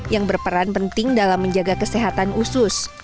yang berperan penting dalam menjaga kesehatan usus